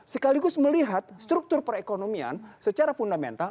sekaligus melihat struktur perekonomian secara fundamental